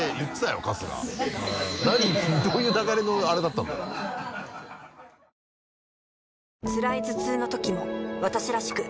どういう流れのあれだったんだろう？え？